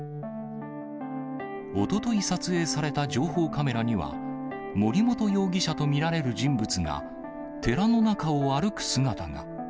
おととい撮影された情報カメラには、森本容疑者と見られる人物が、寺の中を歩く姿が。